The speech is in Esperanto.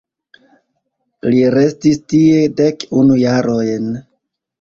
Li restis tie dek unu jarojn.